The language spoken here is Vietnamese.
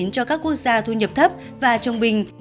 cho các quốc gia thu nhập thấp và trung bình